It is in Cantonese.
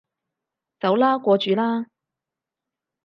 走啦，過主啦